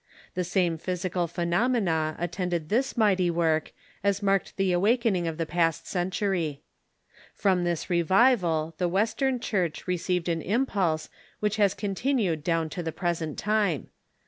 The same physical phenomena attended this mighty work as marked the awakening of the past century. From this revival the Western Church received an impulse which has continued down to the present time.